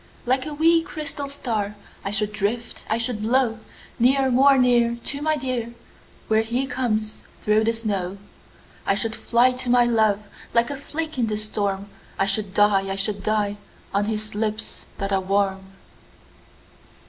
Like a wee, crystal star I should drift, I should blow Near, more near, To my dear Where he comes through the snow. I should fly to my love Like a flake in the storm, I should die, I should die, On his lips that are warm.